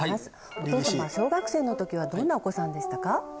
お父様小学生の時はどんなお子さんでしたか？